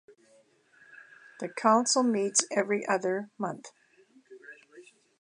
This council meets every other month.